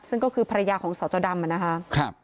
ซึ่งก็คือภรรยาของสจดำนะคะ